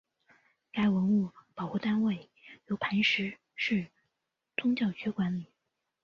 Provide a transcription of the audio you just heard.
该文物保护单位由磐石市宗教局管理。